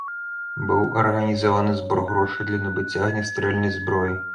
Быў арганізаваны збор грошай для набыцця агнястрэльнай зброі.